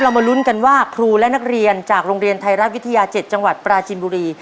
มาลุ้นกันว่าครูและนักเรียนจากโรงเรียนไทยรัฐวิทยา๗จังหวัดปราจินบุรี